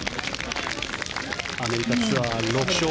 アメリカツアー６勝。